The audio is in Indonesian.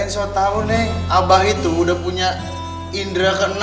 neng sok tau neng abah itu udah punya indera ke enam